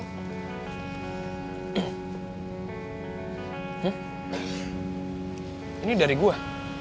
hmm ini dari gue